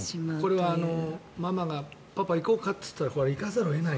これはママがパパ行こうか？って言ったら行かざるを得ない。